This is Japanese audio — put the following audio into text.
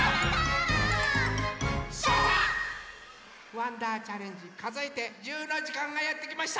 「わんだーチャレンジかぞえて１０」のじかんがやってきました！